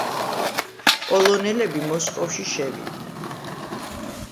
პოლონელები მოსკოვში შევიდნენ.